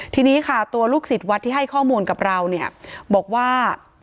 ทีนี้ค่ะตัวลูกศิษย์วัดที่ให้ข้อมูลกับเราเนี่ยบอกว่า